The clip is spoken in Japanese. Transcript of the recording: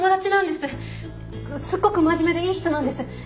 すっごく真面目でいい人なんです。